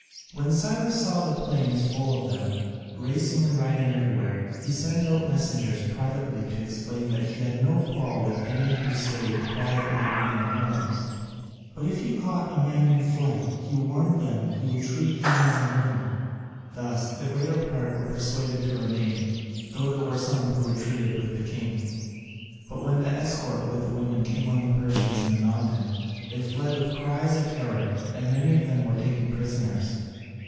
When Cyrus saw the plains full of them, racing and riding everywhere, he sent out messengers privately to explain that he had no quarrel with any who stayed quietly in their homes, but if he caught a man in flight, he warned them he would treat him as an enemy. Thus the greater part were persuaded to remain, though there were some who retreated with the king. But when the escort with the women came on the Persians in the mountain, they fled with cries of terror, and many of them were taken prisoners.